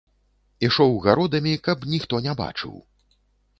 Ішоў гародамі, каб ніхто не бачыў.